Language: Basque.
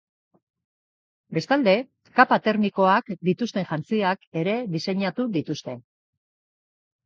Bestalde, kapa termikoak dituzten jantziak ere diseinatu dituzte.